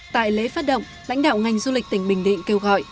tại lễ phát động lãnh đạo ngành du lịch tỉnh bình định kêu gọi